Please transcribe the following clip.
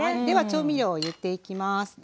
では調味料を入れていきます。